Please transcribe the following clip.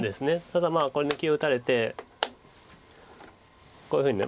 ただこれ抜きを打たれてこういうふうに。